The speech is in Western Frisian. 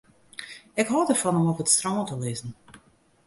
Ik hâld derfan om op it strân te lizzen.